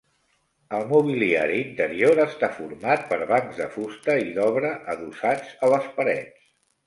El mobiliari interior està format per bancs de fusta i d’obra adossats a les parets.